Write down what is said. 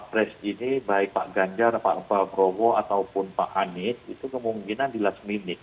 karena penjelasan dari penguasa pres ini baik pak ganjar pak bravo ataupun pak hanis itu kemungkinan di last minute